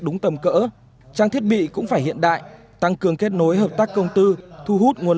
đúng tầm cỡ trang thiết bị cũng phải hiện đại tăng cường kết nối hợp tác công tư thu hút nguồn